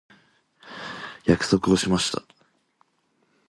約束をしました。